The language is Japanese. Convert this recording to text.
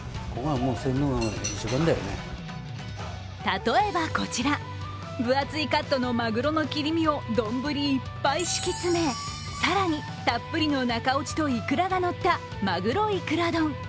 例えばこちら、分厚いカットのまぐろの切り身を丼いっぱい敷きつめ、更にたっぷりの中落ちといくらが乗ったまぐろいくら丼。